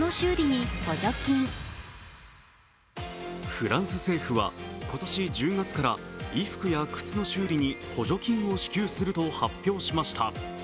フランス政府は今年１０月から衣服や靴の修理に補助金を支給すると発表しました。